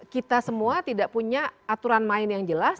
kita semua tidak punya aturan main yang jelas